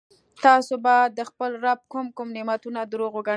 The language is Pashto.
تاسو به د خپل رب کوم کوم نعمتونه درواغ وګڼئ.